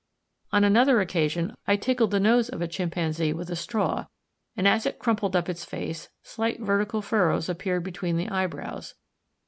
On another occasion, I tickled the nose of a chimpanzee with a straw, and as it crumpled up its face, slight vertical furrows appeared between the eyebrows.